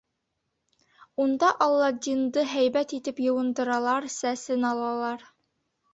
Унда Аладдинды һәйбәт итеп йыуындыралар, сәсен алалар.